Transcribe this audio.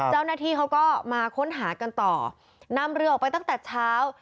เจ้าหน้าที่เขาก็มาค้นหากันต่อนำเรือออกไปตั้งแต่เช้า